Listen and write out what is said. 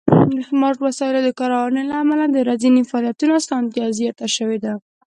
د سمارټ وسایلو د کارونې له امله د ورځني فعالیتونو آسانتیا زیاته شوې ده.